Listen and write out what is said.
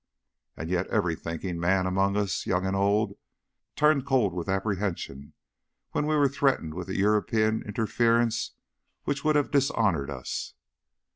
And yet every thinking man among us, young and old, turned cold with apprehension when we were threatened with a European interference which would have dishonoured us.